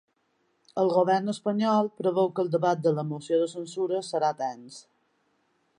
El govern espanyol preveu que el debat de la moció de censura serà tens.